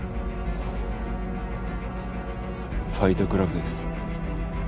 ファイトクラブです。